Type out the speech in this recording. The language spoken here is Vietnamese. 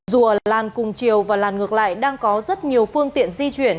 dù ở làn cùng chiều và làn ngược lại đang có rất nhiều phương tiện di chuyển